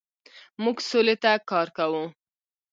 موږ سولې ته کار کوو.